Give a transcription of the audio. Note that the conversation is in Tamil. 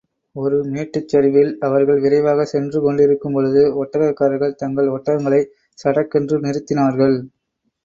ஒரு மேட்டுச் சரிவில் அவர்கள் விரைவாகச் சென்று கொண்டிருக்கும்பொழுது, ஒட்டகக்காரர்கள் தங்கள் ஒட்டகங்களைச் சடக்கென்று நிறுத்தினார்கள்.